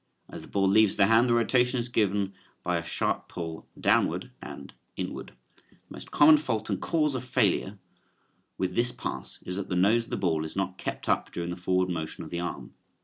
As the ball leaves the hand the rotation is given by a sharp pull downward and inward. The most common fault and cause of failure with this pass is that the nose of the ball is not kept up during the forward motion of the arm.